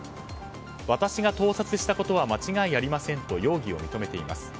私が盗撮したことは間違いありませんと容疑を認めています。